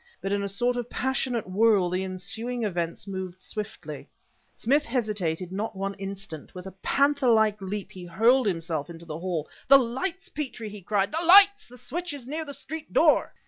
But in a sort of passionate whirl, the ensuing events moved swiftly. Smith hesitated not one instant. With a panther like leap he hurled himself into the hall. "The lights, Petrie!" he cried "the lights! The switch is near the street door!"